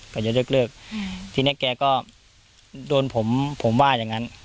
ก็จะเลิกทีนี้แกก็โดนผมผมว่าอย่างนั้น